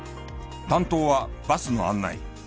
担当はバスの案内。